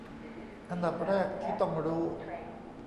อันดับแรกที่ต้องรู้